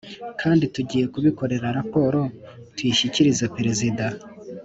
kandi tugiye kubikorera raporo tuyishyikirize Perezida